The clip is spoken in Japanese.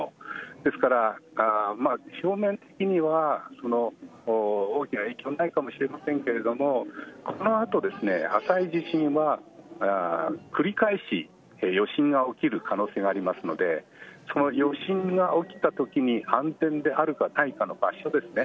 ですから、表面的には大きな影響はないかもしれませんけれどもこの後ですね、浅い地震は繰り返し余震が起きる可能性がありますのでその余震が起きたときに安全であるかないかの場所ですね。